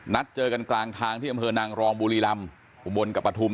นัดเจอกันกลางทางที่อำเภอนางรองบุรีรำอุบลกับปฐุม